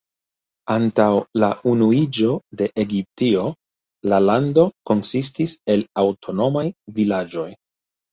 Antaŭ la unuiĝo de Egiptio, la lando konsistis el aŭtonomaj vilaĝoj.